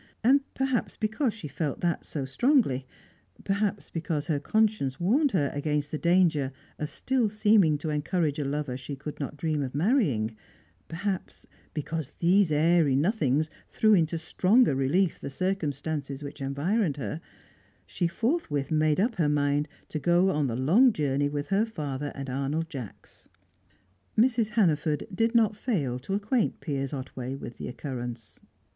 And perhaps because she felt that so strongly, perhaps because her conscience warned her against the danger of still seeming to encourage a lover she could not dream of marrying, perhaps because these airy nothings threw into stronger relief the circumstances which environed her, she forthwith made up her mind to go on the long journey with her father and Arnold Jacks. Mrs. Hannaford did not fail to acquaint Piers Otway with the occurrence.